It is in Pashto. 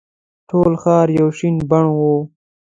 ټول ښار یو شین بڼ وو.